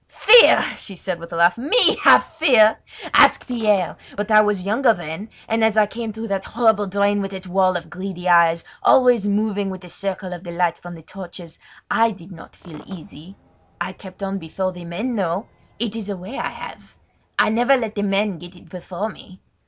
"Fear!" she said with a laugh. "Me have fear? Ask Pierre! But I was younger then, and, as I came through that horrible drain with its wall of greedy eyes, always moving with the circle of the light from the torches, I did not feel easy. I kept on before the men, though! It is a way I have! I never let the men get it before me.